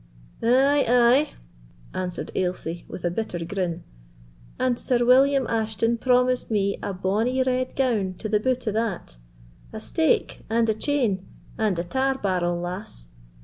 "Ay, ay," answered Ailsie, with a bitter grin; "and Sir William Ashton promised me a bonny red gown to the boot o' that—a stake, and a chain, and a tar barrel, lass!